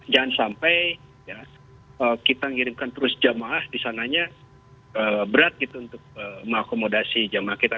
jangan sampai kita ngirimkan terus jemaah di sananya berat gitu untuk mengakomodasi jemaah kita